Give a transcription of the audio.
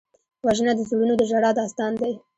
وژنه د زړونو د ژړا داستان دی